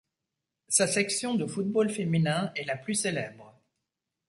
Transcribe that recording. Sa section de football féminin est la plus célèbre.